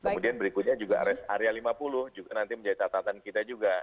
kemudian berikutnya juga rest area lima puluh juga nanti menjadi catatan kita juga